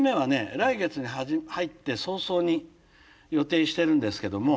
来月に入って早々に予定してるんですけども。